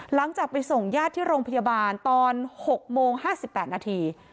หลังจากไปส่งญาติที่โรงพยาบาลตอนหกโมงห้าสิบแปดนาที